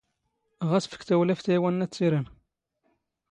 ⵖⴰⵙ ⴼⴽ ⵜⴰⵡⵍⴰⴼⵜ ⴰ ⵉ ⵡⴰⵏⵏⴰ ⵜⵜ ⵉⵔⴰⵏ.